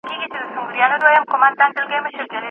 سياسي اوښتونونه پيل سول او سياست خپور سو.